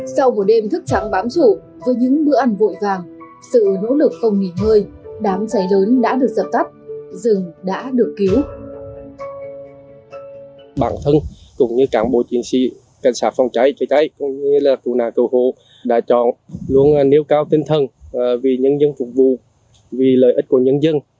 sau một đêm thức trắng bám sủ với những bữa ăn vội vàng sự nỗ lực không nghỉ ngơi đám cháy lớn đã được sập tắt rừng đã được cứu